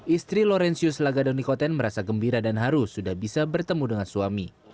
istri laurentius lagadonikoten merasa gembira dan haru sudah bisa bertemu dengan suami